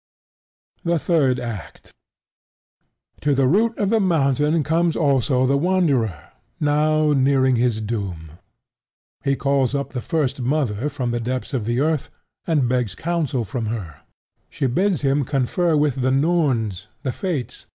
The Third Act To the root of the mountain comes also the Wanderer, now nearing his doom. He calls up the First Mother from the depths of the earth, and begs counsel from her. She bids him confer with the Norns (the Fates).